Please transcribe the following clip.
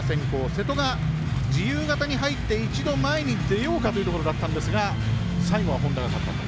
瀬戸が、自由形に入って一度、前に出ようかというところだったんですが最後は本多が勝ったと。